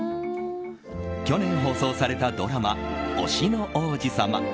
去年放送されたドラマ「推しの王子様」。